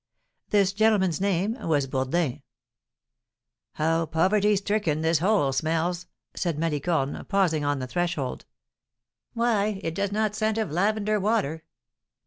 This gentleman's name was Bourdin. "How poverty stricken this hole smells," said Malicorne, pausing on the threshold. "Why, it does not scent of lavender water.